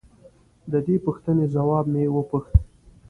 د دې پوښتنې ځواب مې وپوښت.